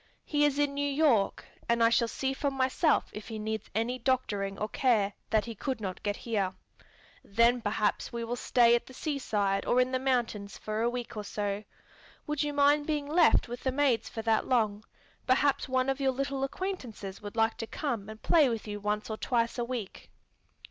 He is in New York, and I shall see for myself if he needs any doctoring or care that he could not get here. Then perhaps we will stay at the seaside or in the mountains for a week or so. Would you mind being left with the maids for that long? Perhaps one of your little acquaintances would like to come and play with you once or twice a week."